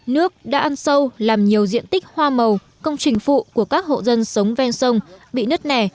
nước đã ăn sâu làm nhiều diện tích hoa màu công trình phụ của các hộ dân sống ven sông bị nứt nẻ